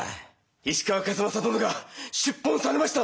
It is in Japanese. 石川数正殿が出奔されました。